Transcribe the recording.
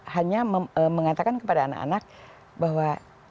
hanya mengatakan kepada anak anak bahwa